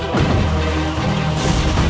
kedai yang menangis